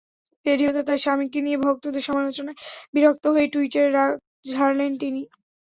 রেডিওতে তাঁর স্বামীকে নিয়ে ভক্তদের সমালোচনায় বিরক্ত হয়ে টুইটারে রাগ ঝাড়লেন তিনি।